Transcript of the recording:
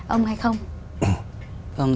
ông hay không